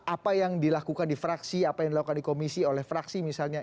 apa yang dilakukan di fraksi apa yang dilakukan di komisi oleh fraksi misalnya